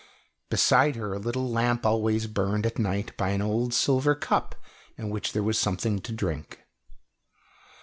Beside her a little lamp always burned at night by an old silver cup, in which there was something to drink.